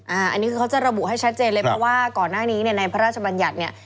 อันนี้เขาจะระบุให้ชัดเจนเลยเพราะว่าก่อนหน้านี้ในพระราชบัญญัติ